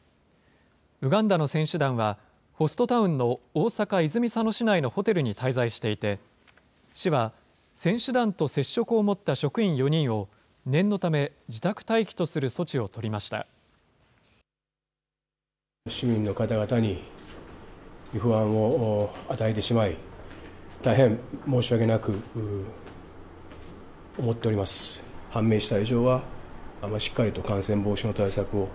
ウガンダの選手団は、ホストタウンの大阪・泉佐野市内のホテルに滞在していて、市は選手団と接触を持った職員４人を、念のため自宅待機とする措置を取りました。